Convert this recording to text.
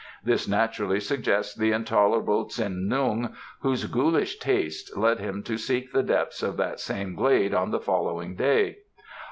This naturally suggests the intolerable Tsin Lung, whose ghoulish tastes led him to seek the depths of that same glade on the following day.